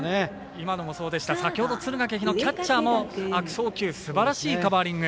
今のもそうでした先ほど敦賀気比のキャッチャーも悪送球すばらしいカバーリング。